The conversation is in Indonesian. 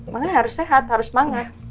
makanya harus sehat harus mangah